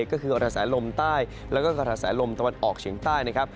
ก็คือกระแสลมใต้แล้วก็กระแสลมตะวันออกเฉียงใต้นะครับ